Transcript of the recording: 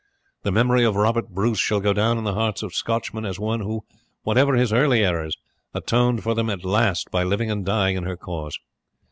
The memory of Robert Bruce shall go down in the hearts of Scotchmen as one who, whatever his early errors, atoned for them at last by living and dying in her cause.